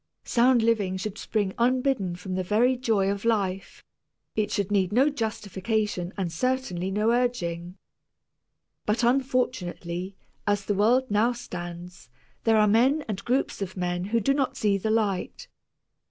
Sound living should spring unbidden from the very joy of life; it should need no justification and certainly no urging. But unfortunately, as the world now stands, there are men and groups of men who do not see the light.